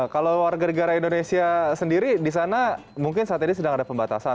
kalau warga negara indonesia sendiri di sana mungkin saat ini sedang ada pembatasan